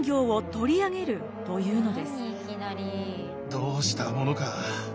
どうしたものか。